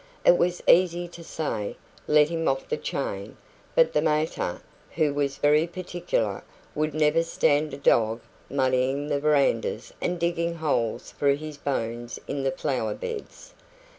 It was easy to say "Let him off the chain," but the mater, who was very particular, would never stand a dog muddying the verandahs and digging holes for his bones in the flower beds.